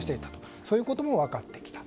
そういうことも分かってきたと。